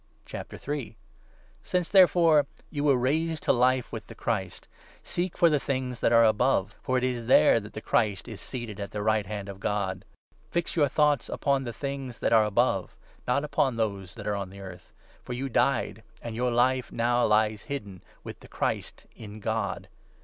sharing Since, therefore, you were raised to Life with i Christ's the Christ, seek for the things that are above ; Resurrection. for ;t ;s there that the Christ is 'seated at the right hand of God.' Fix your thoughts upon the things that 2 are above, not upon those that are on earth. For you died, 3 and your Life now lies hidden, with the Christ, in God.